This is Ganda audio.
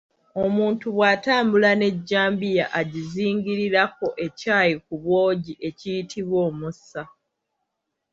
Omuntu bw’atambula n’ejjambiya agizingirirako ekyayi ku bwogi ekiyitibwa omusa.